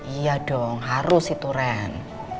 iya dong harus itu ren